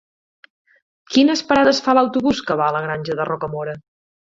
Quines parades fa l'autobús que va a la Granja de Rocamora?